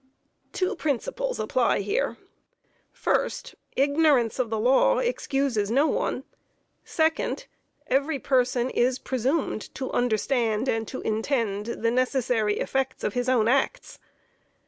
Two principles apply here: First, ignorance of the law excuses no one; second, every person is presumed to understand and to intend the necessary effects of his own acts.